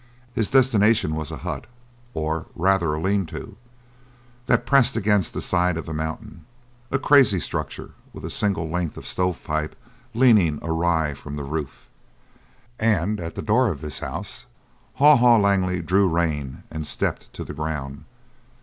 His destination was a hut, or rather a lean to, that pressed against the side of the mountain, a crazy structure with a single length of stove pipe leaning awry from the roof. And at the door of this house Haw Haw Langley drew rein and stepped to the ground.